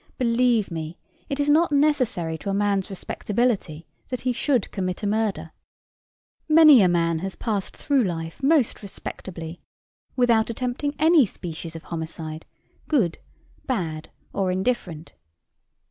Believe me, it is not necessary to a man's respectability that he should commit a murder. Many a man has passed through life most respectably, without attempting any species of homicide good, bad, or indifferent.